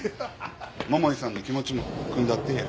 桃井さんの気持ちもくんだってえや。